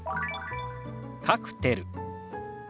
「カクテル」。